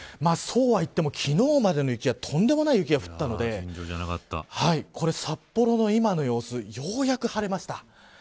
そうは言っても昨日までの雪はとんでもない雪が降ったのでこれ、札幌の今の様子ようやく晴れました。